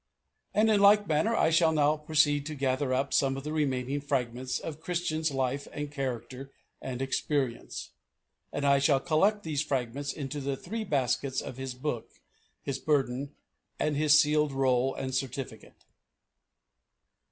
And in like manner I shall now proceed to gather up some of the remaining fragments of Christian's life and character and experience. And I shall collect these fragments into the three baskets of his book, his burden, and his sealed roll and certificate.